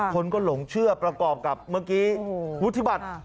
คนก็หลงเชื่อประกอบกับเมื่อกี้วุฒิบัตร